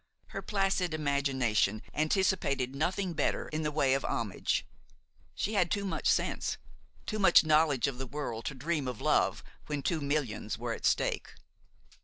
Her placid imagination anticipated nothing better in the way of homage; she had too much sense, too much knowledge of the world to dream of love when two millions were at stake.